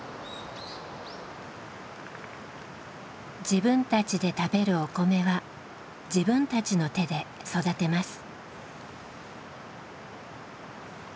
自分たちで食べるお米は自分たちの手で育てます。